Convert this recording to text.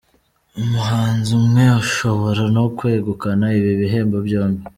Umuhanzi umwe ashobora no kwegukana ibi bihembo byombi.